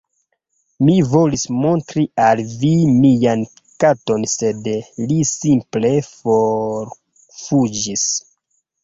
Mi volis montri al vi mian katon sed li simple forfuĝis